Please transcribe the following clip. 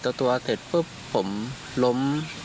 ตัวเสร็จปุ๊บผมล้ม